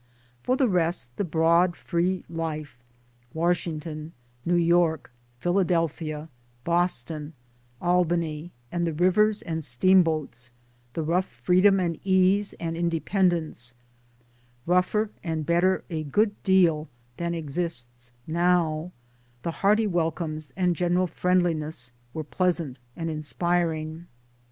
For the rest the broad, free life Washington, New York, Philadelphia, Boston, Albany, and the rivers and steamboats th rough freedom and ease and independence rougher and better a good deal than exists now the hearty welcomes and general friend liness were pleasant and inspiring.